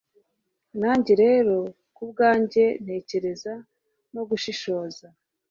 Nanjye rero kubwanjye ntekereza no gushishoza